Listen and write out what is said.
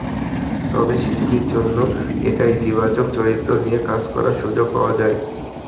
তবে শিল্পীর জন্য এটা ইতিবাচক—চরিত্র নিয়ে কাজ করার সুযোগ পাওয়া যায়।